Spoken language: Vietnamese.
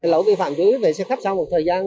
lỗi vi phạm dưới về xe khách sau một thời gian